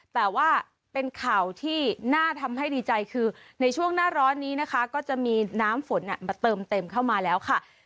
แต่ว่าเป็นข่าวที่น่าทำให้ดีใจคือในช่วงหน้าร้อนนี้นะคะก็จะมีน้ำฝนมาเติมเต็มเข้ามาแล้วค่ะ